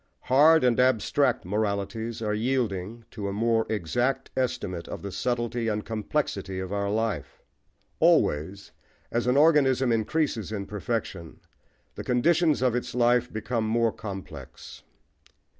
Hard and abstract moralities are yielding to a more exact estimate of the subtlety and complexity of our life. Always, as an organism increases in perfection, the conditions of its life become more complex.